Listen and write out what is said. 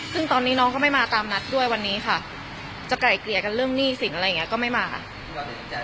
ซึ่งตอนนี้น้องก็ไม่มาตามนัดด้วยวันนี้ค่ะจะไกล่เกลี่ยกันเรื่องหนี้สินอะไรอย่างนี้ก็ไม่มาค่ะ